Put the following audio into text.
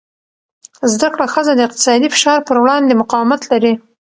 زده کړه ښځه د اقتصادي فشار پر وړاندې مقاومت لري.